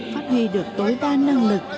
phát huy được tối đa năng lực